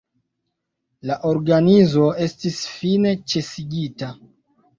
La organizo estis fine ĉesigita.